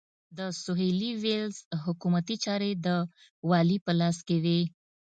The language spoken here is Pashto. د سوېلي ویلز حکومتي چارې د والي په لاس کې وې.